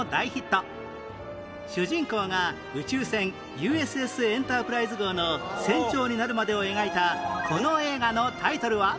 主人公が宇宙船 Ｕ．Ｓ．Ｓ． エンタープライズ号の船長になるまでを描いたこの映画のタイトルは？